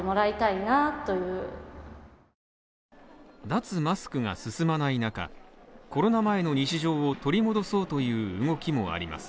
脱マスクが進まない中、コロナ前の日常を取り戻そうという動きもあります。